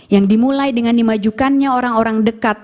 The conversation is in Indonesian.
yang dimulai dengan dimajukannya orang orang dekat